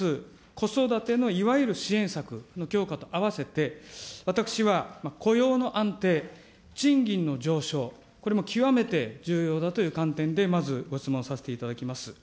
子育てのいわゆる支援策の強化と合わせて、私は雇用の安定、賃金の上昇、これも極めて重要だという観点で、まずご質問させていただきます。